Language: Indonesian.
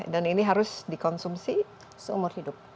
dan ini harus dikonsumsi seumur hidup